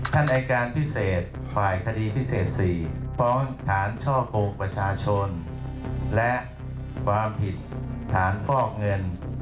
อายการพิเศษฝ่ายคดีพิเศษ๔ฟ้องฐานช่อกงประชาชนและความผิดฐานฟอกเงิน